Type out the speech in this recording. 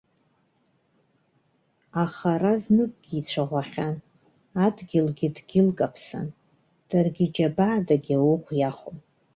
Аха ара зныкгьы ицәаӷәахьан, адгьылгьы дгьыл каԥсан, даргьы џьабаадагьы ауӷә иахон.